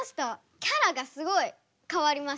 キャラがすごい変わりました。